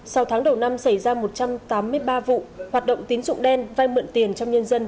sau tháng đầu năm xảy ra một trăm tám mươi ba vụ hoạt động tín dụng đen vai mượn tiền trong nhân dân